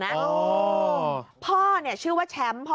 พ่อเนี่ยชื่อว่าแชมป์พ่อน้องเบียชื่อว่าแชมป์